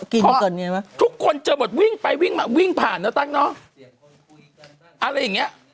ทุกคนเจอหมดวิ่งไปวิ่งมาวิ่งผ่านนะตั้งเนอะอะไรอย่างเงี้ย